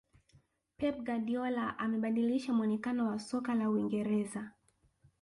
pep guardiola amebadilisha muonekano wa soka la uingereza